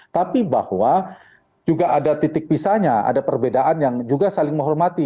tapi bahwa juga ada titik pisahnya ada perbedaan yang juga saling menghormati